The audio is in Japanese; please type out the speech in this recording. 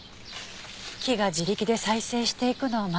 木が自力で再生していくのを待つしかない。